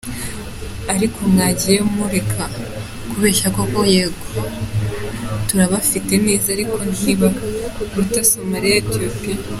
ariko mwagiye mureka kubeshya koko yego turabafite neza ariko ntibaruta somariya etiopia.